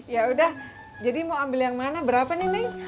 yaudah jadi mau ambil yang mana berapa nih neng